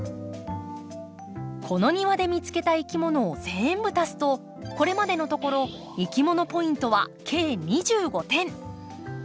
この庭で見つけたいきものを全部足すとこれまでのところいきものポイントは計２５点！